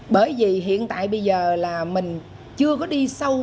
bởi vì hiện tại bây giờ là mình chưa có đi sâu